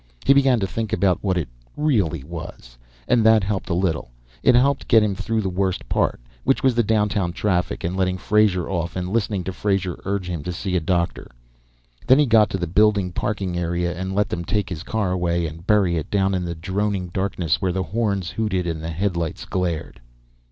He began to think about what it really was, and that helped a little. It helped him get through the worst part, which was the downtown traffic and letting Frazer off and listening to Frazer urge him to see a doctor. Then he got to the building parking area and let them take his car away and bury it down in the droning darkness where the horns hooted and the headlights glared.